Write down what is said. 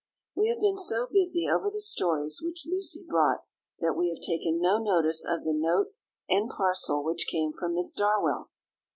We have been so busy over the stories which Lucy brought, that we have taken no notice of the note and parcel which came from Miss Darwell.